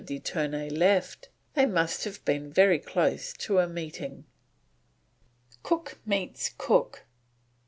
de Ternay left, they must have been very close to a meeting. COOK MEETS COOK.